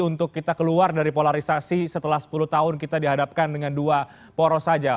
untuk kita keluar dari polarisasi setelah sepuluh tahun kita dihadapkan dengan dua poros saja